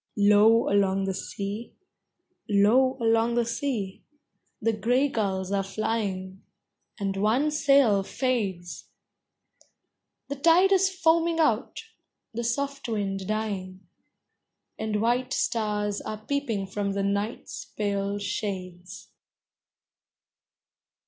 Low along the sea, low along the sea, The gray gulls are flying, and one sail fades; The tide is foaming out; the soft wind dying; And white stars are peeping from the night's pale shades.